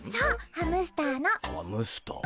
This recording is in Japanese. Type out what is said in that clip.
ハムスター？